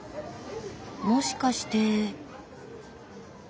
もしかして。